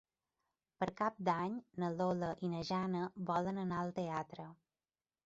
Per Cap d'Any na Lola i na Jana volen anar al teatre.